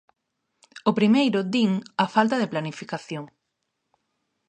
O primeiro, din, a falta de planificación.